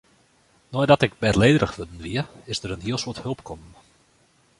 Nei't ik bêdlegerich wurden wie, is der in heel soad help kommen.